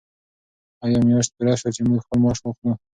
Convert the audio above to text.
آیا میاشت پوره شوه چې موږ خپل معاش واخلو؟